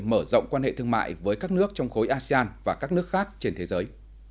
mở rộng quan hệ thương mại với các nước trong khối asean và các nước khác trên thế giới